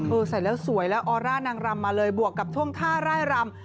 ใส่แล้วสวยแล้วออร่านางรำมาเลยบวกกับท่วงท่าร่ายรำ